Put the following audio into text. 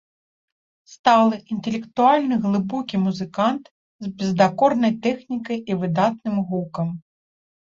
Сталы, інтэлектуальны, глыбокі музыкант з бездакорнай тэхнікай і выдатным гукам.